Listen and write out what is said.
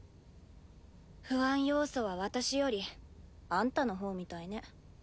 不安要素は私よりあんたの方みたいね。